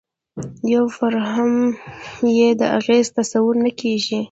پر فهم یې د اغېز تصور نه کېږي.